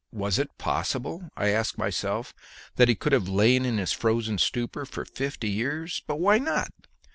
Was it possible, I asked myself, that he could have lain in his frozen stupor for fifty years? But why not?